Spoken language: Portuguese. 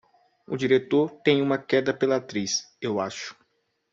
O diretor tem uma queda pela atriz, eu acho.